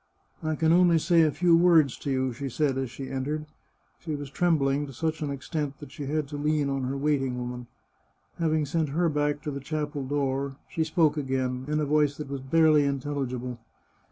" I can only say a few words to you," she said as she entered. She was trembling to such an extent that she had to lean on her waiting woman. Having sent her back to the chapel door, she spoke again, in a voice that was barely intelligible.